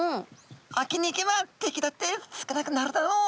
沖に行けば敵だって少なくなるだろうと。